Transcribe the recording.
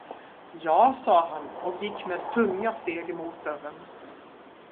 Ja, sade han och gick med tunga steg mot dörren.